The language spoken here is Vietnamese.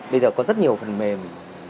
bây giờ có rất nhiều phần mềm